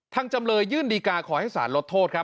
ทั้งจำเลยยื่นดีกาขอให้ศาลลดโทษ